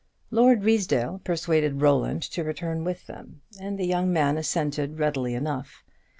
Lord Ruysdale persuaded Roland to return with them, and the young man assented readily enough.